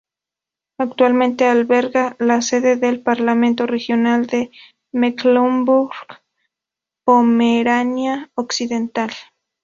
Actualmente alberga la sede del Parlamento Regional de Mecklemburgo-Pomerania Occidental.